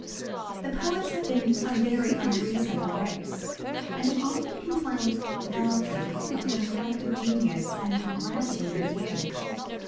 The poets have been a very unreasonable race, and have often complained loudly of the neglect of genius and the ingratitude of the age.